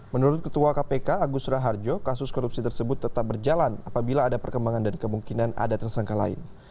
menurut ketua kpk agus raharjo kasus korupsi tersebut tetap berjalan apabila ada perkembangan dan kemungkinan ada tersangka lain